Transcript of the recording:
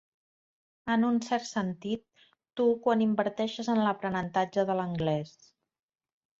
En un cert sentit, tu quan inverteixes en l'aprenentatge de l'anglès.